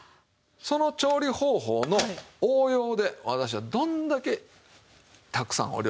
その調理方法の応用で私はどんだけたくさんお料理作ってるか。